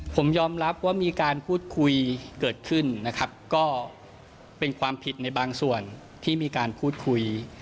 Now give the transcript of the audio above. ผมยอมรับว่ามีการพูดคุยเกิดขึ้นนะครับก็เป็นความผิดในบางส่วนที่มีการพูดคุย